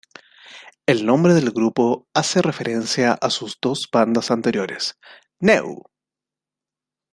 El nombre del grupo hace referencia a sus dos bandas anteriores: Neu!